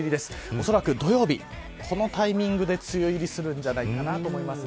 おそらく土曜日このタイミングで梅雨入りするんじゃないかなと思います。